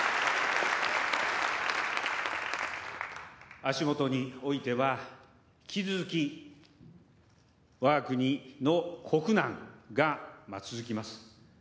足元においては、引き続き、わが国の国難が続きます。